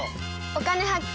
「お金発見」。